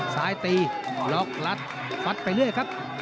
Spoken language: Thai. ซ้ายตีล็อกรัดฟัดไปเรื่อยครับ